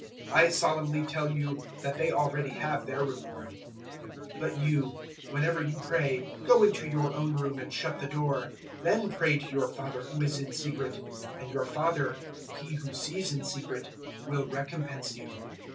I solemnly tell you that they already have their reward. 006:006 But you, whenever you pray, go into your own room and shut the door: then pray to your Father who is in secret, and your Father He who sees in secret will recompense you.